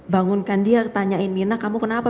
bangunkan dia tanyain mirna kamu kenapa